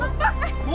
apa kita disini bu